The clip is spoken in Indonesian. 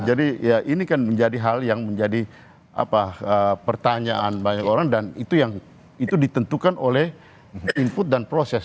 jadi ya ini kan menjadi hal yang menjadi pertanyaan banyak orang dan itu yang itu ditentukan oleh input dan proses